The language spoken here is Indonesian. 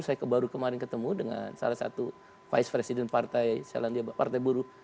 saya baru kemarin ketemu dengan salah satu vice president partai selandia partai buruh